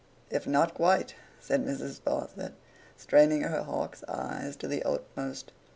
'If not quite!' said Mrs. Sparsit, straining her hawk's eyes to the utmost.